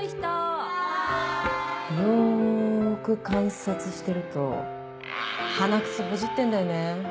よく観察してると鼻くそほじってんだよね。